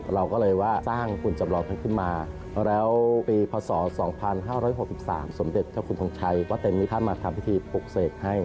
เราก็เลยว่าสร้างคุณจำลองท่านขึ้นมาแล้วปีพศ๒๕๖๓สมเด็จเจ้าคุณทงชัยวัดเต็มที่ท่านมาทำพิธีปลุกเสกให้